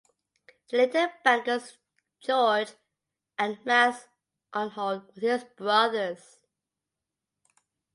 The later bankers Georg and Max Arnhold were his brothers.